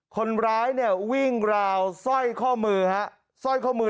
คนร้ายวิ่งราวซ่อยข้อมือฮะซ่อยข้อมือ